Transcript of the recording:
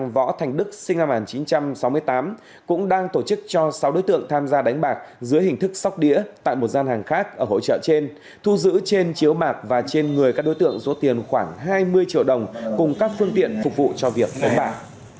võ thành đức sinh năm một nghìn chín trăm sáu mươi tám cũng đang tổ chức cho sáu đối tượng tham gia đánh bạc dưới hình thức sóc đĩa tại một gian hàng khác ở hội trợ trên thu giữ trên chiếu bạc và trên người các đối tượng số tiền khoảng hai mươi triệu đồng cùng các phương tiện phục vụ cho việc đánh bạc